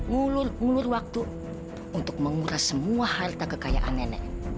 mulur mulur waktu untuk menguras semua harta kekayaan nenek